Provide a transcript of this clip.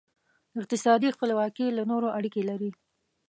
اقتصادي خپلواکي له نورو اړیکې لري.